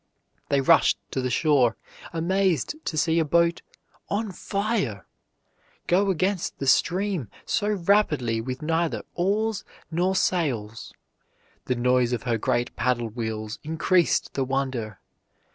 They rushed to the shore amazed to see a boat "on fire" go against the stream so rapidly with neither oars nor sails. The noise of her great paddle wheels increased the wonder.